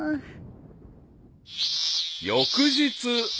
［翌日］